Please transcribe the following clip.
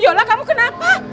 yaudah kamu kenapa